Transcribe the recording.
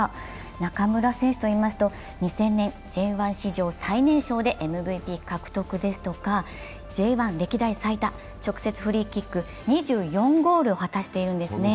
中村選手といいますと２０００年Ｊ１最年少でＭＶＰを獲得ですとか、Ｊ１歴代最多、直接フリーキック２４ゴールを果たしているんですね。